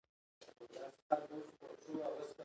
پانګوال د دې حالت څخه د وتلو هڅه کوي